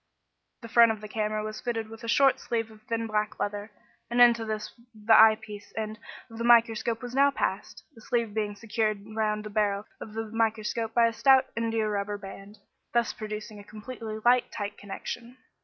The front of the camera was fitted with a short sleeve of thin black leather, and into this the eye piece end of the microscope was now passed, the sleeve being secured round the barrel of the microscope by a stout indiarubber band, thus producing a completely light tight connection.